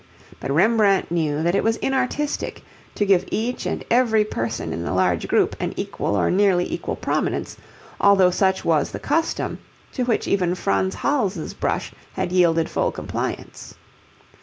But Rembrandt knew that it was inartistic to give each and every person in a large group an equal or nearly equal prominence, although such was the custom to which even Franz Hals' brush had yielded full compliance.